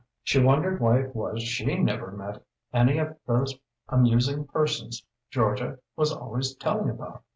She wondered why it was she never met any of these amusing persons Georgia was always telling about.